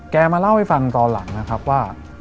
มาเล่าให้ฟังตอนหลังนะครับว่า